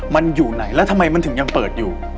มันอยู่ไหนแล้วทำไมมันถึงยังเปิดอยู่